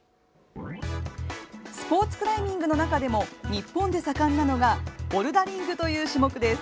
スポーツクライミングの中でも日本で盛んなのがボルダリングという種目です。